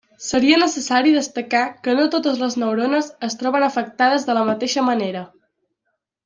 Seria necessari destacar que no totes les neurones es troben afectades de la mateixa manera.